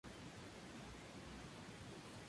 La distribución de probabilidad de una v.a.